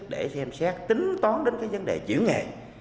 để xem xét tính toán đến cái vấn đề chữ nghề